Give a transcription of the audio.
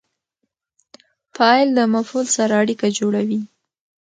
فاعل د مفعول سره اړیکه جوړوي.